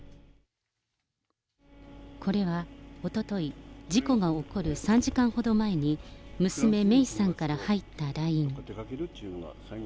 これはおととい、事故が起こる３時間ほど前に、娘、芽生さんから入ったＬＩＮＥ。